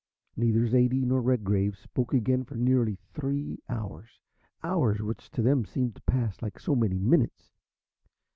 Neither Zaidie nor Redgrave spoke again for nearly three hours hours which to them seemed to pass like so many minutes.